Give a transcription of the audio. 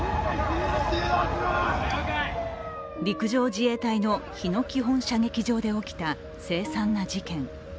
陸上自衛隊の日野基本射撃場で起きた凄惨な事件。